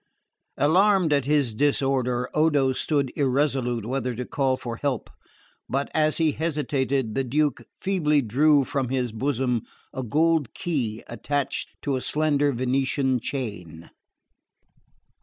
Alarmed at his disorder, Odo stood irresolute whether to call for help; but as he hesitated the Duke feebly drew from his bosom a gold key attached to a slender Venetian chain.